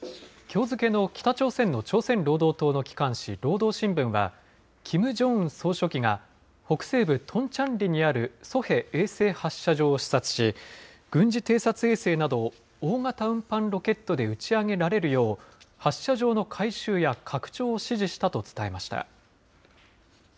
きょう付けの北朝鮮の朝鮮労働党の機関紙、労働新聞は、キム・ジョンウン総書記が北西部トンチャンリにあるソヘ衛星発射場を視察し、軍事偵察衛星など、大型運搬ロケットで打ち上げられるよう、発射場の改修や拡張を指示したと伝えました。